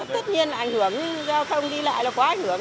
tất nhiên là ảnh hưởng giao thông đi lại là quá ảnh hưởng